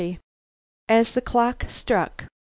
AS THE CLOCK STRUCK.